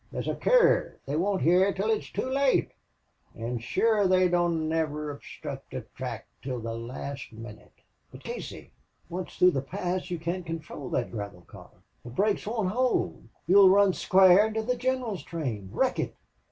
There's a curve. They won't hear till too late. An' shure they don't niver obsthruct a track till the last minute." "But, Casey, once through the pass you can't control that gravel car. The brakes won't hold. You'll run square into the general's train wreck it!"